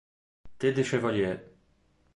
Teddy Chevalier